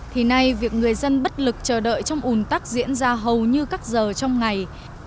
thì nay việc người dân bất lực chờ đợi trong ủn tắc diễn ra hầu như các giờ trong ngày